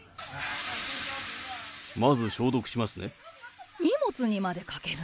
まず消毒しますね。